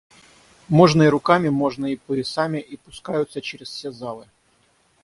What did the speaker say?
Можно и руками, можно и поясами, и пускаются чрез все залы.